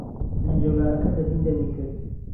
لهنجه و لارهکهت له دین دهرمی کرد